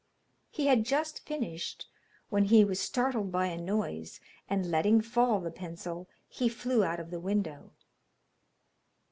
He had just finished when he was startled by a noise, and letting fall the pencil, he flew out of the window.